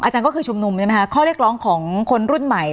ก็คือชุมนุมใช่ไหมคะข้อเรียกร้องของคนรุ่นใหม่